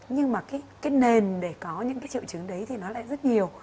nhưng mà cái nền để có những cái triệu chứng đấy thì nó lại rất nhiều